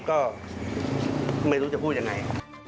ก็ไม่รู้จะพูดยังไง